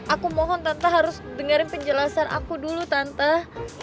aku mohon tante harus dengerin penjelasan aku dulu tanta